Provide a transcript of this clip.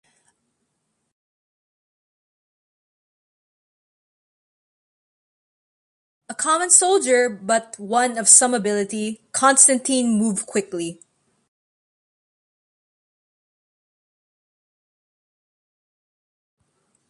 A common soldier, but one of some ability, Constantine moved quickly.